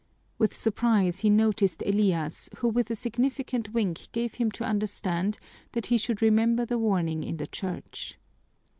With surprise he noticed Elias, who with a significant wink gave him to understand that he should remember the warning in the church.